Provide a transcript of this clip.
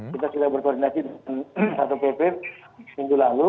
kita sudah berkoordinasi dengan bipa satu pp seminggu lalu